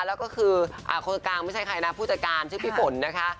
แล้วก็คือคนกลางไม่ใช่ใครนะผู้จัดการชื่อพี่ฝนนะคะ